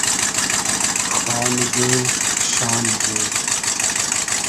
خانی دې شانی دې